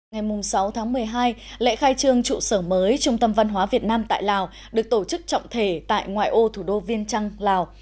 ngày sáu tháng một mươi hai lễ khai trương trụ sở mới trung tâm văn hóa việt nam tại lào được tổ chức trọng thể tại ngoại ô thủ đô viên trăng lào